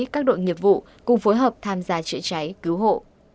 các đội nghiệp vụ cùng phối hợp tham gia chữa cháy cứu hộ